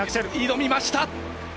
挑みました！